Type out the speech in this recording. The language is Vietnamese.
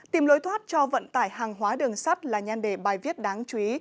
tìm lối thoát cho vận tải hàng hóa đường sắt là nhan đề bài viết đáng chú ý